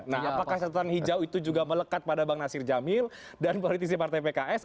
nah apakah catatan hijau itu juga melekat pada bang nasir jamil dan politisi partai pks